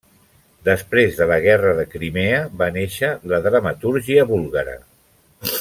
Després de la Guerra de Crimea, va néixer la dramatúrgia búlgara.